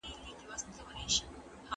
د ساینسي وسایلو په مرسته حقایق موندل کیږي.